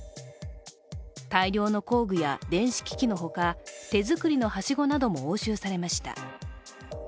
大量の工具や電子機器のほか手作りのはしごなども押収されました。